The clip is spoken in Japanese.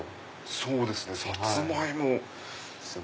そうですねサツマイモ。